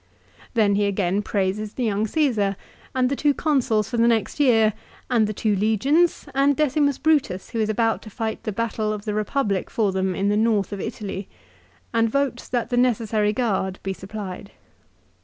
Then he again praises the young Csesar, and the two Consuls for the next year, and the two legions, and Decimus Brutus, who is about to fight the battle of the Republic for them in the north of Italy; and votes that the necessary guard be supplied.